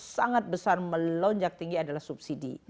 sangat besar melonjak tinggi adalah subsidi